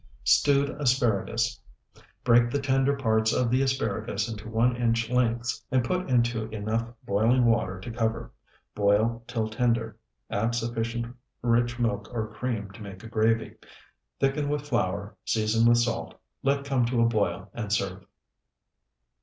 STEWED ASPARAGUS Break the tender parts of the asparagus into one inch lengths and put into enough boiling water to cover. Boil till tender; add sufficient rich milk or cream to make a gravy. Thicken with flour, season with salt, let come to a boil, and serve.